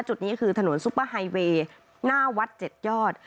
จุดนี้คือถนนซุปเปอร์ไฮเวย์หน้าวัด๗ยอด